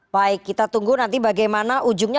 baik kita tunggu nanti bagaimana ujungnya